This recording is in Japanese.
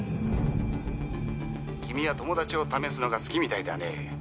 「君は友達を試すのが好きみたいだね」